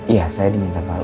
iya saya diminta pak